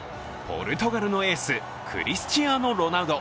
ポルトガルのエース、クリスチアーノ・ロナウド。